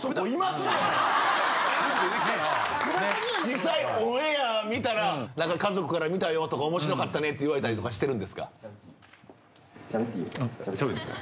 実際オンエア見たら家族から「見たよ」とか「面白かったね」って言われたりしてるんですか？